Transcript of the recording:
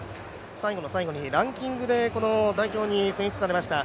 最後の最後にランキングで代表に選出されてきました。